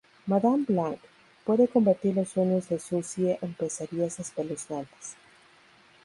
Madam Blanc... puede convertir los sueños de Susie en pesadillas espeluznantes.